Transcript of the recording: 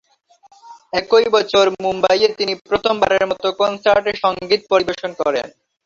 একই বছর মুম্বাইয়ে তিনি প্রথমবারের মত কনসার্টে সঙ্গীত পরিবেশন করেন।